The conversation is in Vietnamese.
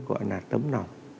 gọi là tấm nồng